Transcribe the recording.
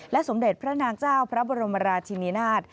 สมเด็จพระนางเจ้าพระบรมราชินินาศ